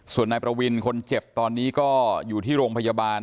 ส่วนนายประวินคนเจ็บตอนนี้ก็อยู่ที่โรงพยาบาล